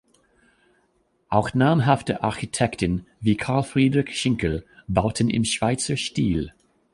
Auch namhafte Architekten wie Karl Friedrich Schinkel bauten im Schweizer Stil.